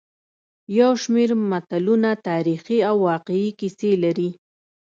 یو شمېر متلونه تاریخي او واقعي کیسې لري